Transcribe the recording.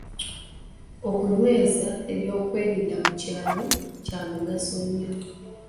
Okunyweza eby'okwerinda mu kyalo kya mugaso nnyo.